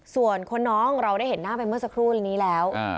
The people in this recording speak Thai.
ส่วนคนน้องเราได้เห็นหน้าไปเมื่อสักครู่นี้แล้ว